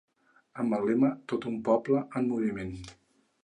Amb el lema Tot un poble en moviment.